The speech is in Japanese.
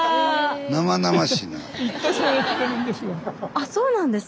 あっそうなんですか？